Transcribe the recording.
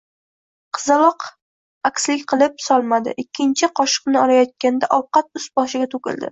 qizaloq akslik qilib, solmadi, ikkinchi qoshiqni olayotganda ovqat ust-boshiga to'kildi.